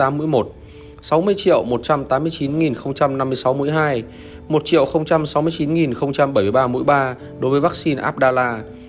một sáu mươi chín bảy mươi ba mũi ba đối với vaccine abdala